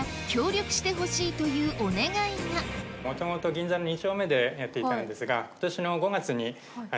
そんなもともと銀座の２丁目でやっていたんですが。